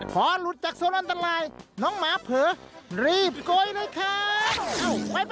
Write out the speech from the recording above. พอหลุดจากโซนอันตรายน้องหมาเผลอรีบโกยเลยครับ